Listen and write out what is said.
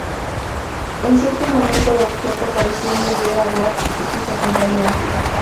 En cierto momento el objeto pareció envolver a Watt y sus acompañantes.